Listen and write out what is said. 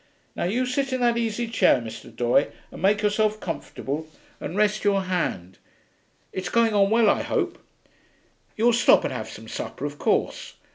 Now you sit in that easy chair, Mr. Doye, and make yourself comfortable, and rest your hand. It's going on well, I hope? You'll stop and have some supper, of course?